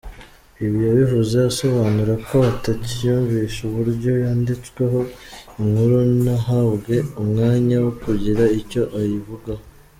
Ibi yabivuze asobanura ko atiyumvisha uburyo yanditsweho inkuru ntahabwe umwanya wo kugira icyo ayivugaho.